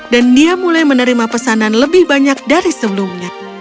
dan dia mulai menerima pesanan lebih banyak dari sebelumnya